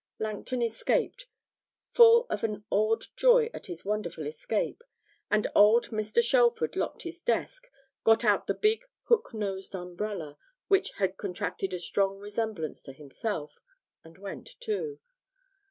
Langton escaped, full of an awed joy at his wonderful escape, and old Mr. Shelford locked his desk, got out the big hook nosed umbrella, which had contracted a strong resemblance to himself, and went too.